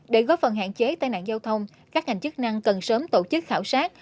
để góp phần hạn chế tai nạn giao thông các ngành chức năng cần sớm tổ chức khảo sát